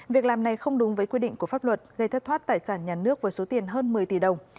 việc làm này không đúng với quy định của pháp luật gây thất thoát tài sản nhà nước với số tiền hơn một mươi tỷ đồng